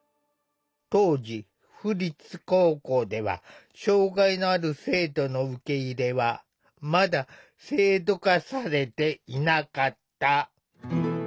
当時府立高校では障害のある生徒の受け入れはまだ制度化されていなかった。